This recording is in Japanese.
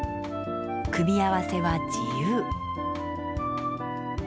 組み合わせは自由。